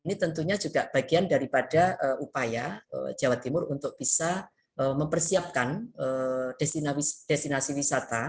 ini tentunya juga bagian daripada upaya jawa timur untuk bisa mempersiapkan destinasi wisata